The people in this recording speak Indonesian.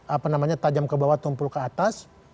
apa namanya tajam ke bawah tumpul ke atas